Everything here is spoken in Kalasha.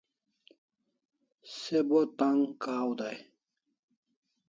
Se bo tang kaw day